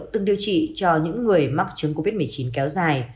từng điều trị cho những người mắc chứng covid một mươi chín kéo dài